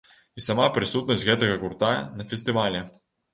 І сама прысутнасць гэтага гурта на фестывалі.